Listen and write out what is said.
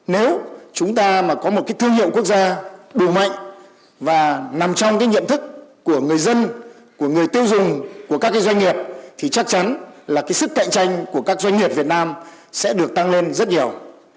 nếu chúng ta mà có một cái thương hiệu quốc gia đủ mạnh và nằm trong cái nhận thức của người dân của người tiêu dùng của các doanh nghiệp thì chắc chắn là cái sức cạnh tranh của các doanh nghiệp việt nam sẽ được tăng lên rất nhiều